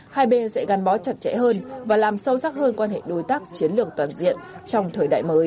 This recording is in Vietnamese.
hai bên sẽ gắn bó chặt chẽ hơn và làm sâu sắc hơn quan hệ đối tác chiến lược toàn diện trong thời đại mới